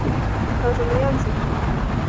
长什么样子